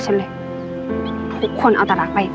ฉันเลยทุกคนเอาตาเลาะไปต่อ